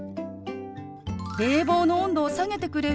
「冷房の温度を下げてくれる？